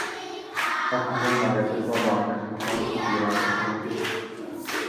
Tas ne vienmēr ir tas labākais un konstruktīvākais princips.